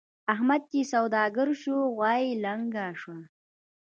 احمد چې سوداګر شو؛ غوا يې لنګه شوه.